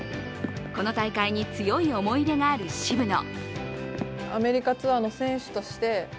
この大会に強い思い入れがある渋野。